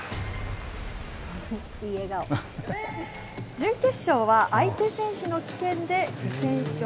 準決勝は、相手選手の棄権で不戦勝。